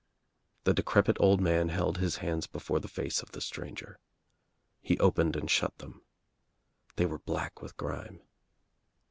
The decrepit old man held his hands before the face of the stranger. He opened and shut them. They were black with grime.